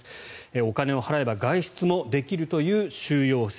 お金を払えば外出もできるというフィリピンの収容施設。